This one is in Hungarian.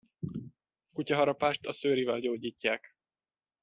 Kutyaharapást a szőrivel gyógyítják.